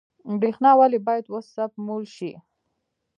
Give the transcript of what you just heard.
برښنا ولې باید وسپمول شي؟